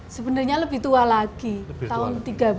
sebenarnya lebih tua lagi tahun seribu sembilan ratus tiga puluh sembilan